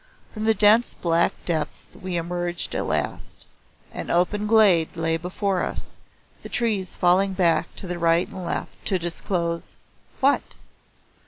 From the dense black depths we emerged at last. An open glade lay before us the trees falling back to right and left to disclose what?